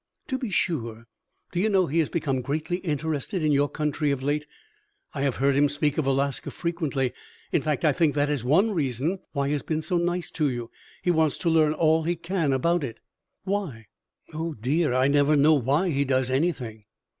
"To be sure! Do you know, he has become greatly interested in your country of late. I have heard him speak of Alaska frequently. In fact, I think that is one reason why he has been so nice to you; he wants to learn all he can about it." "Why?" "Oh, dear, I never know why he does anything."